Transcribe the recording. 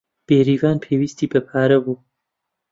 بێریڤان پێویستی بە پارە بوو.